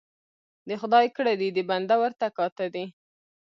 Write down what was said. ـ د خداى کړه دي د بنده ورته کاته دي.